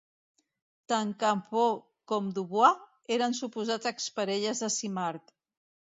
Tant Campeau com Dubois eren suposats exparelles de Simard.